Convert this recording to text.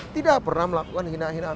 tidak pernah melakukan hinaan hinaan